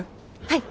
はい！